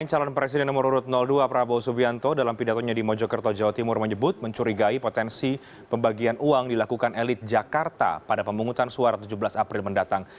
calon presiden nomor urut dua prabowo subianto dalam pidatonya di mojokerto jawa timur menyebut mencurigai potensi pembagian uang dilakukan elit jakarta pada pemungutan suara tujuh belas april mendatang